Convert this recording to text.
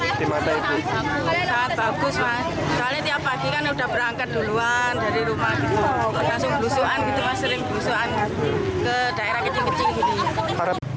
sering berusuhan ke daerah kecil kecil gini